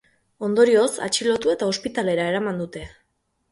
Ondorioz, atxilotu eta ospitalera eraman dute.